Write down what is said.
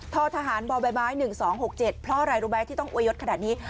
ททหารบใบไม้๑๒๖๗เพราะอะไรรู้ไหมที่ต้องอวยยศขนาดนี้